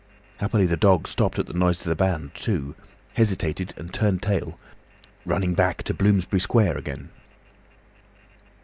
Happily the dog stopped at the noise of the band too, hesitated, and turned tail, running back to Bloomsbury Square again.